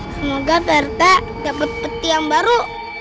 semoga prt dapet peti yang baru